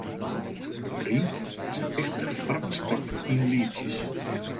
Rym is in wichtich foarmaspekt yn lietsjes.